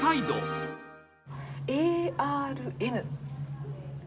ＡＲＮ。